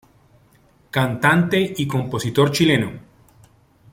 Cantante y compositor chileno.